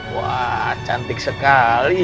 wah cantik sekali